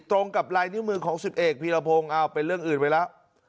ตรงกับลายนิ้วมือของสิบเอกพีระโพงอ้าวเป็นเรื่องอื่นไว้แล้ว